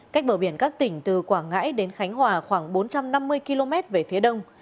cách bờ biển các tỉnh từ quảng ngãi đến khánh hòa khoảng bốn trăm năm mươi km về phía đông